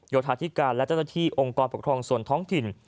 โยธาธิการและเจ้าหน้าที่องค์กรปกครองส่วนท้องถิ่น